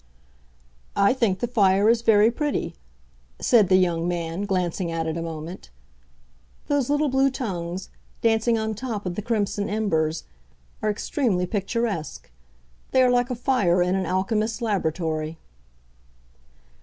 "I think the fire is very pretty," said the young man, glancing at it a moment. "Those little blue tongues, dancing on top of the crimson embers, are extremely picturesque. They are like a fire in an alchemist's laboratory."